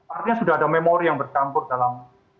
artinya sudah ada memori yang bercampur dalam